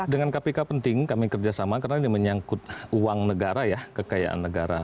dengan kpk penting kami kerjasama karena ini menyangkut uang negara ya kekayaan negara